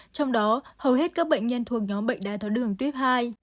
trong đó hầu hết các bệnh nhân thuộc nhóm bệnh đai tháo đường tuyếp hai